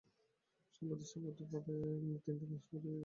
সম্প্রতি সভাপতি বাদে তিনটিতে আসিয়া ঠেকিয়াছে।